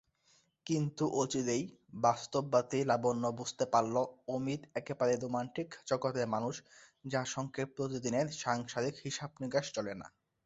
কিন্তু অচিরেই বাস্তববাদী লাবণ্য বুঝতে পারল অমিত একেবারে রোমান্টিক জগতের মানুষ যার সঙ্গে প্রতিদিনের সাংসারিক হিসেব-নিকেশ চলে না।